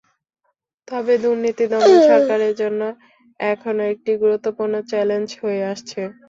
তবে দুর্নীতি দমন সরকারের জন্য এখনো একটি গুরুত্বপূর্ণ চ্যালেঞ্জ হয়ে আছে।